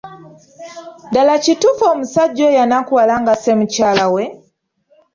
Ddala kituufu omusajja oyo yanakuwala ng’asse mukyala we?